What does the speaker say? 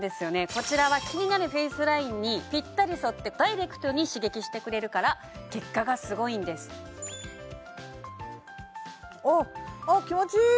こちらは気になるフェイスラインにピッタリ沿ってダイレクトに刺激してくれるから結果がすごいんですあっあっ